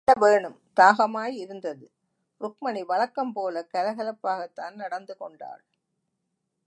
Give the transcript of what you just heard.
என்ன வேணும்! தாகமாய் இருந்தது. ருக்மிணி வழக்கம் போலக் கலகலப்பாகத்தான் நடந்து கொண்டாள்.